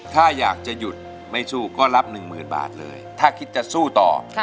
ถ้าอยากจะหยุดไม่สู้ก็รับ๑๐๐๐บาทเลยถ้าคิดจะสู้ต่อ